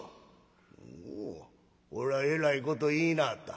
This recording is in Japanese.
「おうこらえらいこと言いなはった。